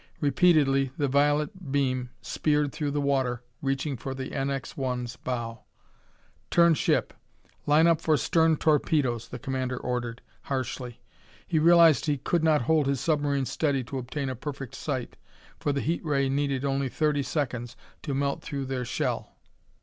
Repeatedly the violet beam speared through the water, reaching for the NX 1's bow. "Turn ship. Line up for stern torpedoes," the commander ordered harshly. He realized he could not hold his submarine steady to obtain a perfect sight, for the heat ray needed only thirty seconds to melt through their shell.